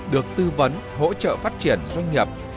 được tư vấn hỗ trợ phát triển doanh nghiệp